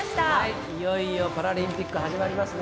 いよいよパラリンピック始まりますね。